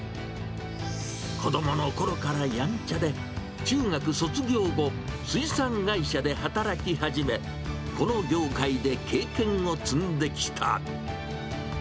子どものころからやんちゃで、中学卒業後、水産会社で働き始め、この業界で経験を積んできた。